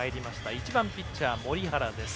１番ピッチャー、森原です。